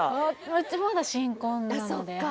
うちまだ新婚なのでそっ